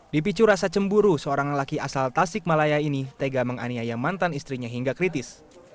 di picu rasa cemburu seorang laki asal tasik malaya ini tega menganiaya mantan istrinya hingga kritis